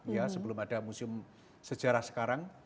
ya sebelum ada museum sejarah sekarang